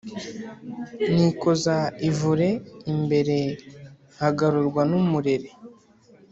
nikoza ivure imbere nkagarurwa numurere,